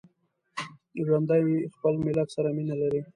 ژوندي خپل ملت سره مینه لري